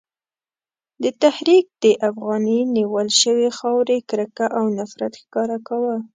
دې تحریک د افغاني نیول شوې خاورې کرکه او نفرت ښکاره کاوه.